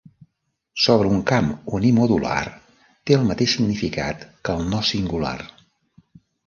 Sobr un camp "unimodular" té el mateix significat que el "no singular".